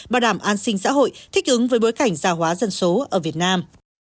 bảo đảm an sinh xã hội thích ứng với bối cảnh gia hóa dân số ở việt nam